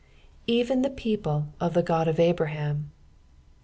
" Eten lAa people of the Ood of Abraham."